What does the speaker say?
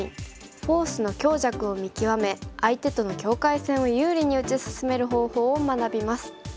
フォースの強弱を見極め相手との境界線を有利に打ち進める方法を学びます。